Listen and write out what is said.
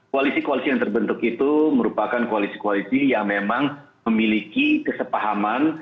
koalisi koalisi yang terbentuk itu merupakan koalisi koalisi yang memang memiliki kesepahaman